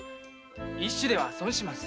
一朱では損します。